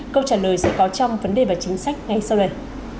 câu trả lời sẽ có trong vấn đề và chính sách ngay sau đây